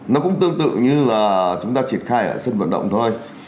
nó cũng tương tự như là chúng ta triển khai ở sân vận động thôi